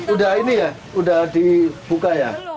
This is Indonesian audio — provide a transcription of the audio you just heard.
udah ini ya udah dibuka ya